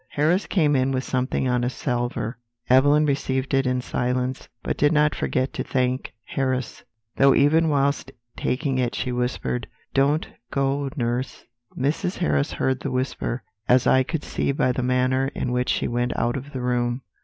"Harris came in with something on a salver, Evelyn received it in silence, but did not forget to thank Harris, though even whilst taking it she whispered, 'Don't go, nurse.' Mrs. Harris heard the whisper, as I could see by the manner in which she went out of the room.